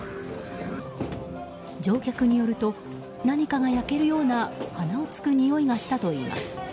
乗客によると何かが焼けるような鼻をつくにおいがしたといいます。